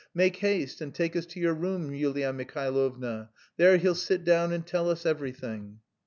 "Make haste and take us to your room, Yulia Mihailovna; there he'll sit down and tell us everything."